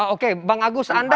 oke bang agus andai